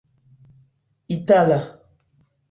itala